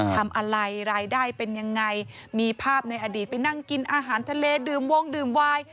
รายได้เป็นยังไงมีภาพในอดีตไปนั่งกินอาหารทะเลดื่มวงดื่มวาย